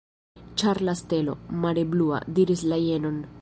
Ĉar la stelo, mare blua, diris la jenon.